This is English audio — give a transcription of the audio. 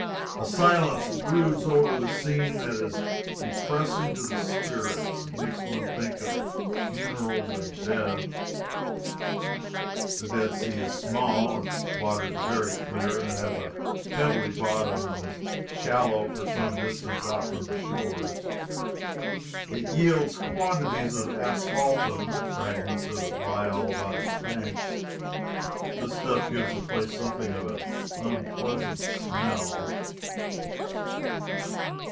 A silence broods over the scene that is depressing to the spirits. It makes one think of funerals and death. The Dead Sea is small. Its waters are very clear, and it has a pebbly bottom and is shallow for some distance out from the shores. It yields quantities of asphaltum; fragments of it lie all about its banks; this stuff gives the place something of an unpleasant smell.